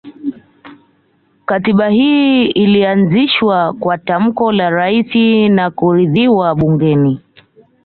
Katiba hii ilianzishwa kwa tamko la Rais na kuridhiwa bungeni